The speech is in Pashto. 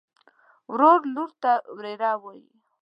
ورور لور ته وريره وايي.